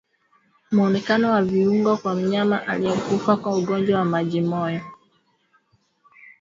Muonekano wa viungo kwa mnyama aliyekufa kwa ugonjwa wa majimoyo